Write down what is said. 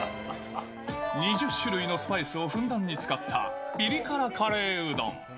２０種類のスパイスをふんだんに使った、ピリ辛カレーうどん。